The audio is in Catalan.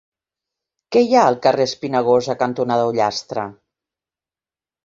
Què hi ha al carrer Espinagosa cantonada Ullastre?